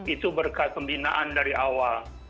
itu berkat pembinaan dari awal